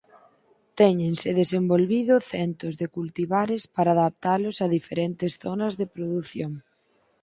Téñense desenvolvido centos de cultivares para adaptalos a diferentes zonas de produción.